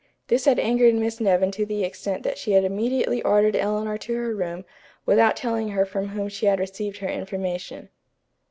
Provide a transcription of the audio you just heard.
This had angered Miss Nevin to the extent that she had immediately ordered Eleanor to her room without telling her from whom she had received her information.